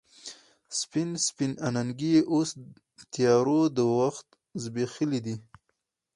سپین، سپین اننګي یې اوس تیارو د وخت زبیښلې دي